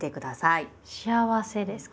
「『幸』せ」ですか。